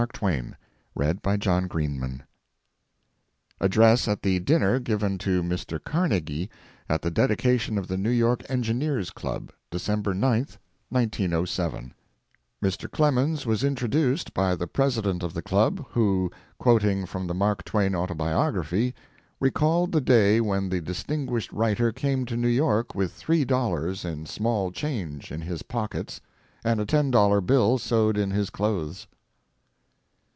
THE ALPHABET AND SIMPLIFIED SPELLING ADDRESS AT THE DINNER GIVEN TO MR. CARNEGIE AT THE DEDICATION OF THE NEW YORK ENGINEERS' CLUB, DECEMBER 9, 1907 Mr. Clemens was introduced by the president of the club, who, quoting from the Mark Twain autobiography, recalled the day when the distinguished writer came to New York with $3 in small change in his pockets and a $10 bill sewed in his clothes.